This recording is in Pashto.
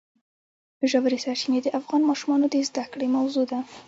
ژورې سرچینې د افغان ماشومانو د زده کړې موضوع ده.